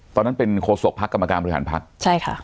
ตอนนั้นเป็นโคศกพักกรรมการบริหารพักใช่ค่ะ